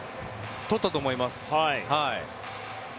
撮ったと思います。